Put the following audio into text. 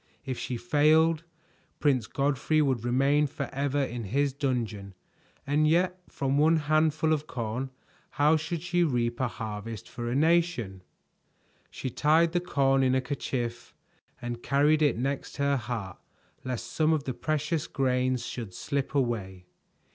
If she failed, Prince Godfrey would remain forever in his dungeon, and yet from one handful of corn how should she reap a harvest for a nation? She tied the corn in a kerchief and carried it next her heart lest some of the precious grains should slip away.